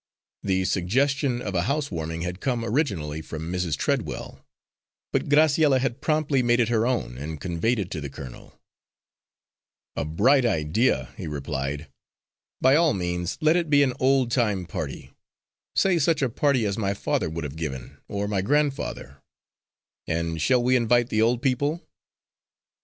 The suggestion of a house warming had come originally from Mrs. Treadwell; but Graciella had promptly made it her own and conveyed it to the colonel. "A bright idea," he replied. "By all means let it be an old time party say such a party as my father would have given, or my grandfather. And shall we invite the old people?"